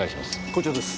こちらです。